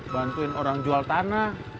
bantuin orang jual tanah